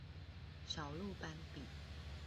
小鹿斑比